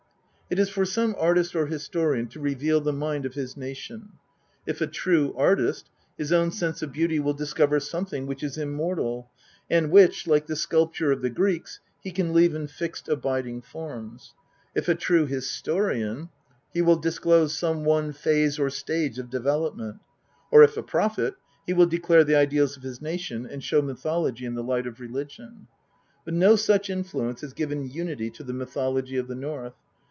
It is for some artist or historian to reveal the mind of his nation ; if a true artist, his own sense of beauty will discover something which is immortal and which, like the sculpture of the Greeks, he can leave in fixed abiding forms ; if a true historian, he will disclose some one phase or stage of development ; or if a prophet, he will declare the ideals of his .nation, and show mythology in the light of religion. But no such influence has given unity to the mythology of the North.